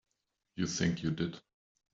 You think you did.